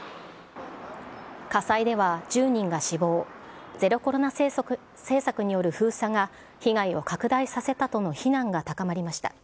火災では１０人が死亡、ゼロコロナ政策による封鎖が被害を拡大させたとの非難が高まりました。